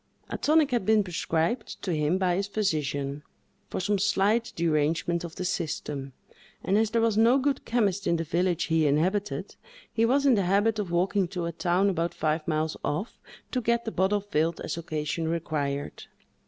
A tonic had been prescribed to him by his physician, for some slight derangement of the system, and as there was no good chemist in the village he inhabited, he was in the habit of walking to a town about five miles off, to get the bottle filled as occasion required.